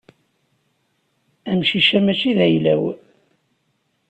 Amcic-a mačči d agla-w.